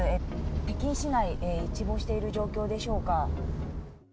北京市内、一望している状況でしょうか。